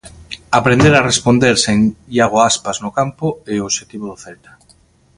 Aprender a responder sen Iago Aspas no campo é o obxectivo do Celta.